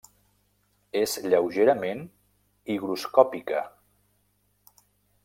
És lleugerament higroscòpica.